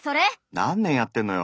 何年やってんのよ！